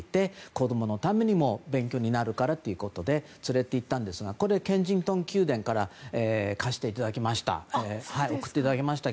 子供のためにも勉強になるからといって連れて行ったんですがこれ、ケンジントン宮殿から貸していただきました。